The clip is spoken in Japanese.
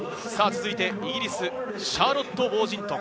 続いてイギリス、シャーロット・ウォージントン。